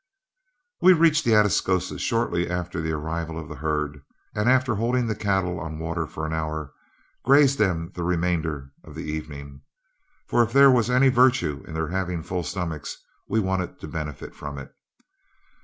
We reached the Atascosa shortly after the arrival of the herd, and after holding the cattle on the water for an hour, grazed them the remainder of the evening, for if there was any virtue in their having full stomachs, we wanted to benefit from it.